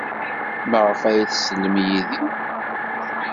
Maɣef ay tsellem i Yidir?